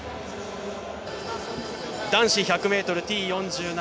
男子１００Ｔ４７